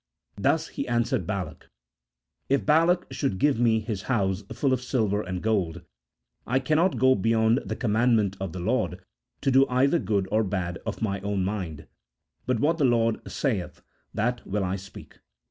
Thus he answered Balak: "If Balak should give me his house full of silver and gold, I cannot go beyond the commandment of the Lord to do either good or bad of my own mind ; but what the Lord saith, that will I speak."